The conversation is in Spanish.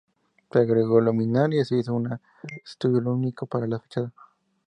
Se agregó luminaria y se hizo un estudio lumínico para la fachada.